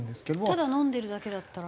ただ飲んでるだけだったら。